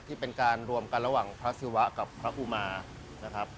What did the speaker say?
ที่เป็นการรวมกันระหว่างพระศิวะกับพระอุมานะครับ